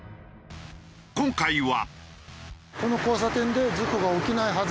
今回は。